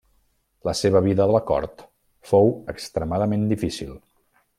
La seva vida a la Cort fou extremadament difícil.